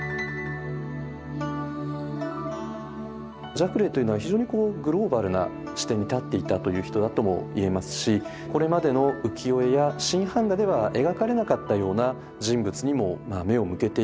ジャクレーというのは非常にグローバルな視点に立っていたという人だともいえますしこれまでの浮世絵や新版画では描かれなかったような人物にも目を向けていると。